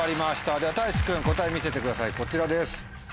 ではたいし君答え見せてくださいこちらです。